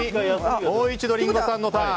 もう一度リンゴさんのターン。